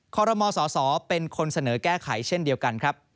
คอรมสสเป็นคนเสนอแก้ไขเช่นเดียวกันครับ